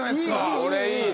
これいいね。